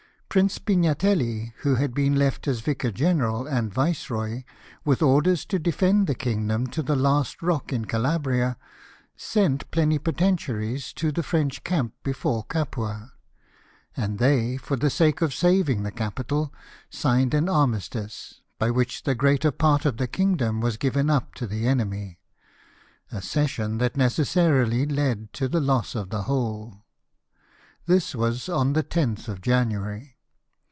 Prince Pignatelli, who had been left as vicar general and viceroy, with orders to defend the kingdom to the last rock in Calabria, sent plenipotentiaries to the French camp before Capua ; and they, for the sake of saving the capital, signed an armistice, by which the greater part of the kingdom was given up to the enemy — a cession that necessarily led to the loss of the whole. This was on the 10th of January.